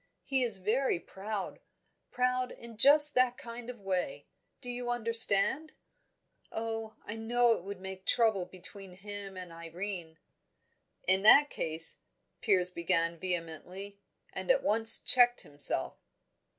He is very proud proud in just that kind of way do you understand? Oh, I know it would make trouble between him and Irene." "In that case," Piers began vehemently, and at once checked himself.